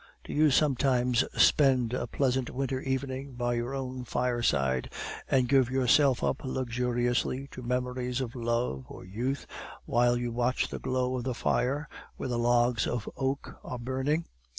Do you sometimes spend a pleasant winter evening by your own fireside, and give yourself up luxuriously to memories of love or youth, while you watch the glow of the fire where the logs of oak are burning?